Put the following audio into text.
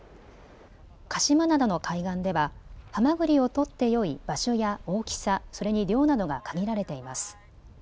鹿島灘の海岸ではハマグリを取ってよい場所や大きさ、それに量などが限られています。